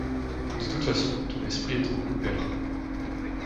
De toute façon, ton esprit est trop ouvert.